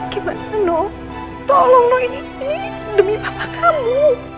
gimana noh tolong noh ini demi bapak kamu